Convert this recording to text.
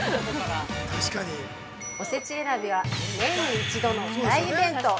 ◆おせち選びは年に１度の大イベント！